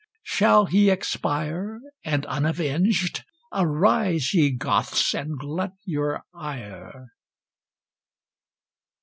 Shall he expire, And unavenged? Arise, ye Goths, and glut your ire!